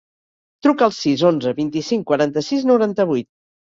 Truca al sis, onze, vint-i-cinc, quaranta-sis, noranta-vuit.